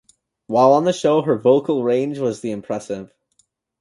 While on the show, her vocal range was the impressive.